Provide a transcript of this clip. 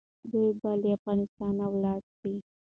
دوی به له افغانستانه ولاړ سي.